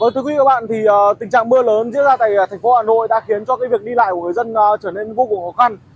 tình trạng mưa lớn diễn ra tại thành phố hà nội đã khiến cho việc đi lại của người dân trở nên vô cùng khó khăn